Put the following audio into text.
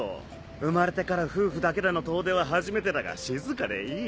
生まれてから夫婦だけでの遠出は初めてだが静かでいい。